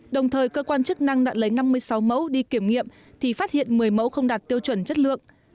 đồng thời cơ quan chức năng đã lấy năm mươi sáu mẫu đi kiểm nghiệm thì phát hiện một mươi mẫu không đạt tiêu chuẩn chất lượng